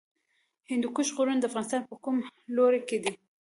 د هندوکش غرونه د افغانستان په کوم لوري کې دي؟